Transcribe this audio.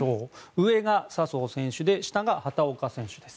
上が笹生選手下が畑岡選手です。